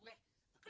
sama motor juga bang